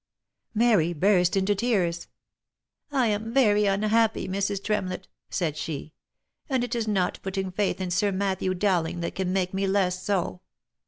Mary burst into tears. " I am very unhappy, Mrs. Tremlett," said she, " and it is not putting faith in Sir Matthew Dowling that can make me less so.